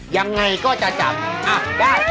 ยังไงก็จะจับได้